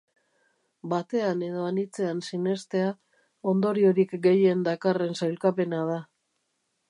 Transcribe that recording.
Batean edo anitzean sinestea ondoriorik gehien dakarren sailkapena da.